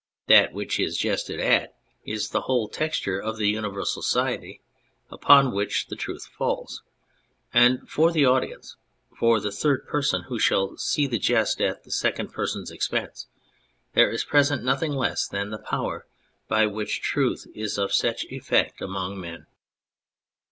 That which is jested at is the whole texture of the universal society upon which the truth falls, and for the audience, for the third person who shall see the jest at the second person's expense, there is present nothing less than the power by which truth is of such effect among men.